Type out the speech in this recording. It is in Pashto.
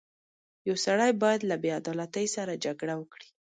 • یو سړی باید له بېعدالتۍ سره جګړه وکړي.